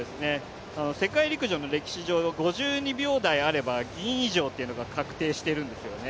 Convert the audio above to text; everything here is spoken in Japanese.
世界陸上の歴史上５２秒台あれば銀以上というのが確定しているんですよね。